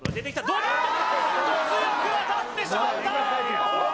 どうだあっと強く当たってしまった！